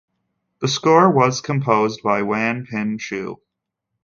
The score was composed by Wan Pin Chu.